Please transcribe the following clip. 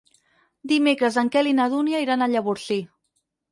Dimecres en Quel i na Dúnia iran a Llavorsí.